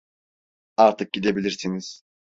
Artık gidebilirsiniz.